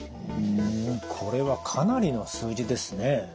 これはかなりの数字ですね。